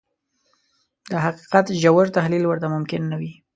د حقيقت ژور تحليل ورته ممکن نه وي.